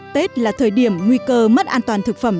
tết là thời điểm nguy cơ mất an toàn thực phẩm